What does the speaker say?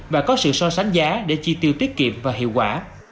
và có sự so sánh giá để chi tiêu tiết kiệm và hiệu quả